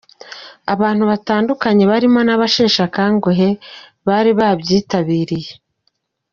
Abantu batandukanye barimo n'abasheshakanguhe bari babyitabiriye.